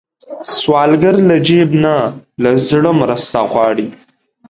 سوالګر له جیب نه، له زړه مرسته غواړي